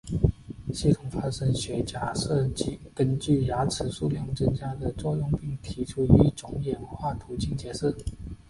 系统发生学假设根据牙齿数量增加的作用提出一种演化途径解释。